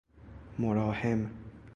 مراحم